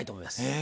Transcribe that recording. え。